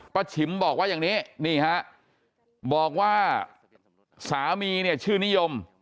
ฉิมบอกว่าอย่างนี้นี่ฮะบอกว่าสามีเนี่ยชื่อนิยม